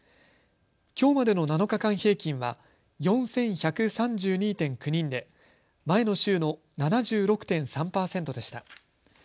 きょうまでの７日間平均は４１３２．９人で前の週の７６．３％でした。